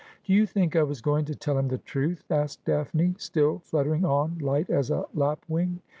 ' Do you think I was going to tell him the truth ?' asked Daphne, still fluttering on, light as a lapwing.